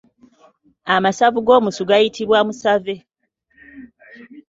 Amasavu g’omusu gayitibwa Musave.